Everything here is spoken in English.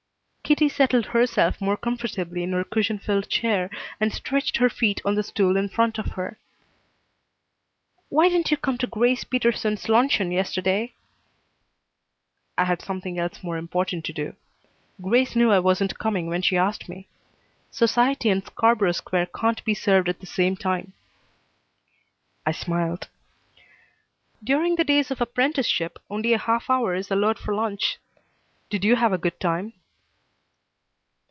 Kitty settled herself more comfortably in her cushion filled chair and stretched her feet on the stool in front of her. "Why didn't you come to Grace Peterson's luncheon yesterday?" "I had something else more important to do. Grace knew I wasn't coming when she asked me. Society and Scarborough Square can't be served at the same time." I smiled. "During the days of apprenticeship only a half hour is allowed for lunch. Did you have a good time?"